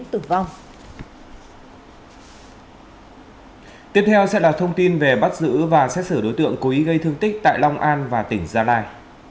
tiếp theo sẽ là thông tin về bắt giữ và xét xử đối tượng cố ý gây thương tích tại long an và tỉnh gia lai